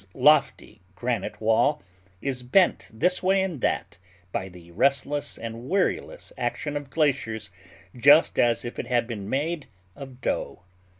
This lofty granite wall is bent this way and that by the restless and weariless action of glaciers just as if it had been made of dough.